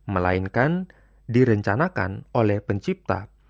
melainkan direncanakan oleh pencipta